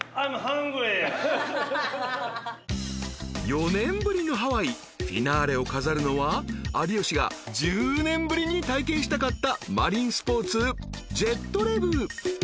［４年ぶりのハワイフィナーレを飾るのは有吉が１０年ぶりに体験したかったマリンスポーツジェットレブ］